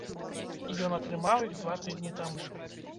Ён атрымаў іх два тыдні таму.